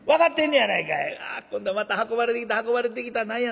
「あっ今度また運ばれてきた運ばれてきた何や。